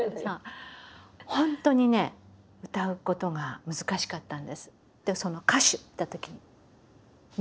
本当にね歌うことが難しかったんです。